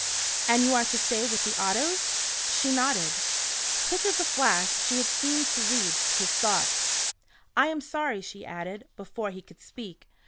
"And you are to stay with the Ottos?" She nodded. Quick as a flash she had seemed to read his thoughts. "I am sorry," she added, before he could speak.